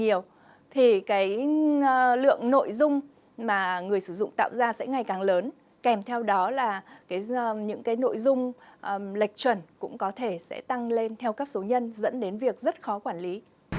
đó là những nội dung lệch chuẩn cũng có thể sẽ tăng lên theo các số nhân dẫn đến việc rất khó quản lý